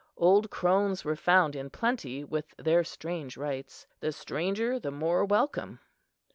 Old crones were found in plenty with their strange rites, the stranger the more welcome.